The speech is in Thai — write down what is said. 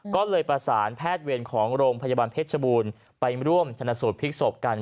ก็เลยประสานแพทย์เวรของโรงพยาบาลเพชรบูรณ์ไปร่วมชนะสูตรพลิกศพกัน